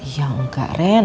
ya enggak ren